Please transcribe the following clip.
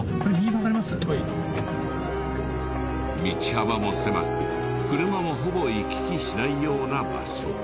道幅も狭く車もほぼ行き来しないような場所。